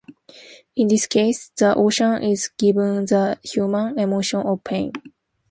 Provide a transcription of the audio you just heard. In this case, the ocean is given the human emotion of pain.